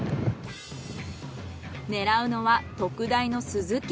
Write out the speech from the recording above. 狙うのは特大のスズキ。